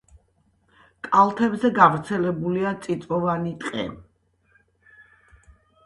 კალთებზე გავრცელებულია წიწვოვანი ტყე.